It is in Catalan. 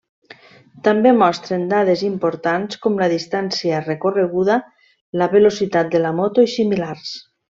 També mostren dades importants com la distància recorreguda, la velocitat de la moto i similars.